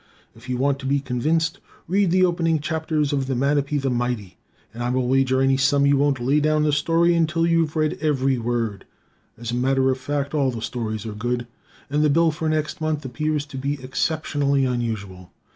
If you want to be convinced, read the opening chapters of "Manape The Mighty," and I will wager any sum you won't lay down the story until you've read every word. As a matter of fact, all the stories are good. And the bill for next month appears to be exceptionally unusual.